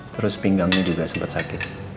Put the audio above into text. terus pinggangnya juga sempat sakit